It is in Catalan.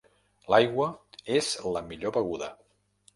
L'aigua és la millor beguda.